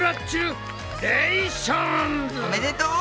おめでとう！